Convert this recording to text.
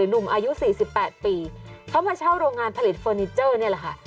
หนุ่มอายุ๔๘ปีเขามาเช่าโรงงานผลิตเฟอร์นิเจอร์นี่แหละค่ะ